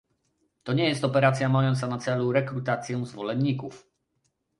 To nie jest operacja mająca na celu rekrutację zwolenników